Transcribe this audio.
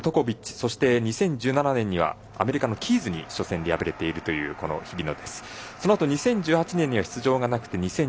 そして、２０１７年にはアメリカのキーズに初戦で敗れている日比野。